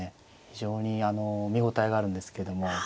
非常にあの見応えがあるんですけども。